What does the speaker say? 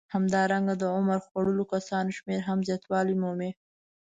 همدارنګه د عمر خوړلو کسانو شمېر هم زیاتوالی مومي